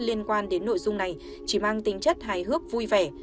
liên quan đến nội dung này chỉ mang tính chất hài hước vui vẻ